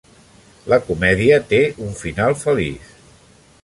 La comèdia té un final feliç.